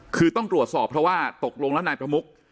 คือต้องตรวจสอบเพราะว่าตกลงแล้วนายประมุก